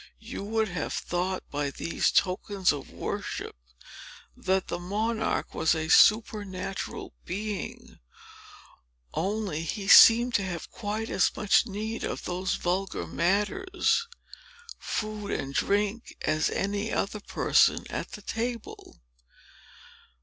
You would have thought, by these tokens of worship, that the monarch was a supernatural being; only he seemed to have quite as much need of those vulgar matters, food and drink, as any other person at the table.